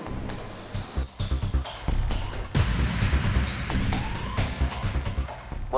udah cantik juga